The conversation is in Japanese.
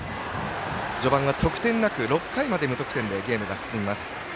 序盤は得点なく６回まで無得点でゲームは進みます。